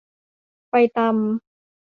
ไปตำ